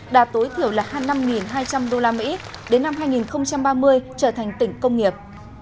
đạt tối thiểu là hai mươi năm hai trăm linh usd đến năm hai nghìn ba mươi trở thành tỉnh công nghiệp